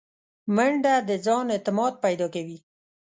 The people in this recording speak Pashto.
منډه د ځان اعتماد پیدا کوي